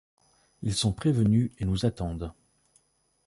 Ils sont prévenus et nous attendent.